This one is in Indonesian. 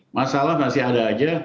masalah masih ada aja